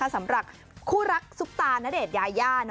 สำหรับคู่รักซุปตาณเดชน์ยายา